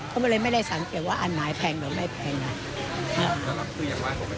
ก็เลยไม่ได้สังเกตว่าอันไหนแพงหรือไม่แพงนะ